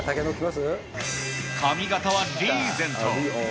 髪形はリーゼント。